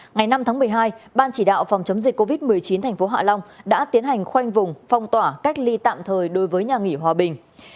ngày năm tháng một mươi hai ban chỉ đạo phòng chống dịch covid một mươi chín tp hạ long đã tiến hành khoanh vùng phong tỏa cách ly tạm thời đối với nhà nghỉ hòa bình